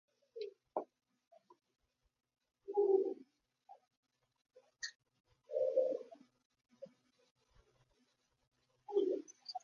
The highly synthesized voice says Jesus Christ of Nazereth, go to Hell.